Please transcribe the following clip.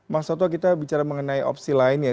mas toto kita bicara mengenai opsi lain ya